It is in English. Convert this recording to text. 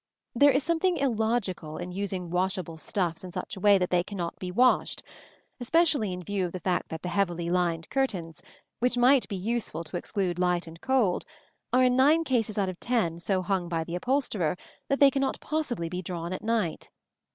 There is something illogical in using washable stuffs in such a way that they cannot be washed, especially in view of the fact that the heavily lined curtains, which might be useful to exclude light and cold, are in nine cases out of ten so hung by the upholsterer that they cannot possibly be drawn at night.